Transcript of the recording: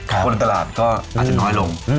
คนตลาดก็อาจจะน้อยลง